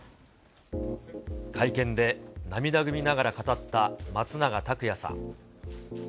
会見で涙ぐみながら語った松永拓也さん。